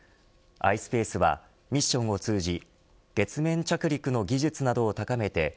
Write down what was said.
ｉｓｐａｃｅはミッションを通じ月面着陸の技術などを高めて